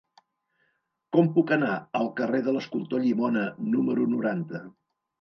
Com puc anar al carrer de l'Escultor Llimona número noranta?